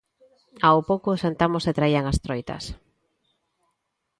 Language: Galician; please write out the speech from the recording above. Ao pouco sentamos e traían as troitas.